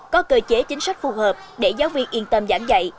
có cơ chế chính sách phù hợp để giáo viên yên tâm giảng dạy